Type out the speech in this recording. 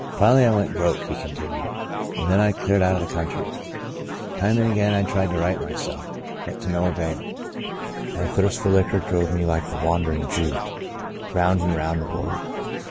"Finally, I went broke," he continued, "and then I cleared out of the country. Time and again I tried to right myself, but 8b Into a Far Country to no avail. My thirst for liquor drove nie like the wandering Jew — round and round the world.